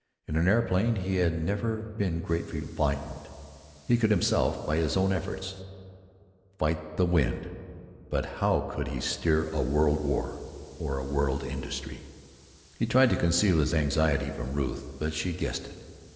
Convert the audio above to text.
In an aeroplane he had never been greatly frightened; he could himself, by his own efforts, fight the wind. But how could he steer a world war or a world industry? He tried to conceal his anxiety from Ruth, but she guessed it.